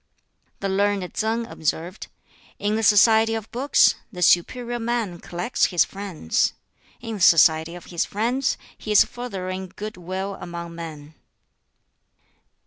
The learned Tsang observed, "In the society of books the 'superior man' collects his friends; in the society of his friends he is furthering good will among men."